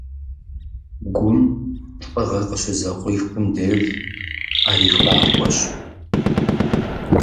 Гум лӀыгъэ къыщызыкъуихым деж, Ӏэри хахуэщ.